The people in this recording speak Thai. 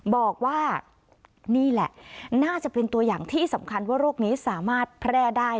บอกว่านี่แหละน่าจะเป็นตัวอย่างที่สำคัญว่าโรคนี้สามารถแพร่ได้